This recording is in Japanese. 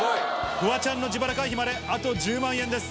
フワちゃんの自腹回避まで、あと１０万円です。